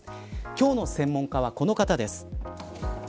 今日の専門家はこの方です。